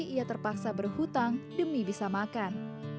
ia terpaksa berhutang demi bisa makan